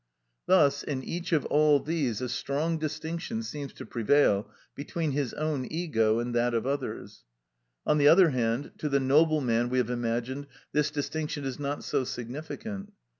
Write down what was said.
Thus, in each of all these a strong distinction seems to prevail between his own ego and that of others; on the other hand, to the noble man we have imagined, this distinction is not so significant.